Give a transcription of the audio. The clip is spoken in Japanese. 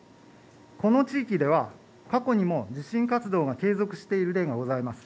この地域では過去にも地震活動が継続している例がございます。